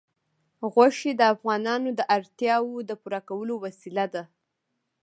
غوښې د افغانانو د اړتیاوو د پوره کولو وسیله ده.